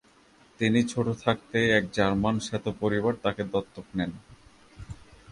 তিনি ছোট থাকতেই এক জার্মান শ্বেত পরিবার তাকে দত্তক নেন।